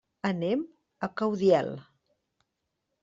Anem a Caudiel.